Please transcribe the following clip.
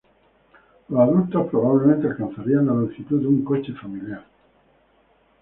Los adultos probablemente alcanzarían la longitud de un coche familiar.